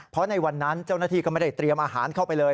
เพราะในวันนั้นเจ้าหน้าที่ก็ไม่ได้เตรียมอาหารเข้าไปเลย